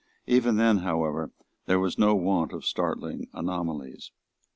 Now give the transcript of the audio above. Even then, however, there was no want of startling anomalies.